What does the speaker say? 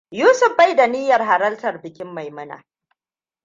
Yusuf bai da niyyar halartar bikin Maimuna.